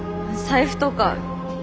財布とか。